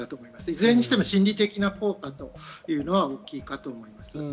いずれにしても心理的な効果が大きいと思います。